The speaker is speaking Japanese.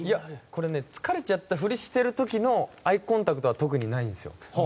疲れちゃったふりをしている時のアイコンタクトは特にないんですよ。